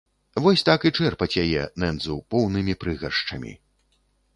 Вось так і чэрпаць яе, нэндзу, поўнымі прыгаршчамі.